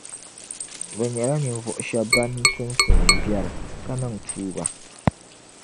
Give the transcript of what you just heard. Bɛ nyɛla ninvuɣu shεba ban tum tuumbiεri, ka niŋ tuuba.